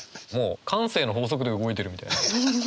慣性の法則で動いてるみたいな。